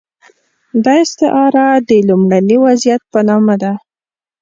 دا استعاره د لومړني وضعیت په نامه ده.